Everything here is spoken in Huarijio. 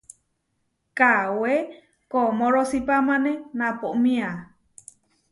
Kawé koʼmorosípamane naʼpomiá.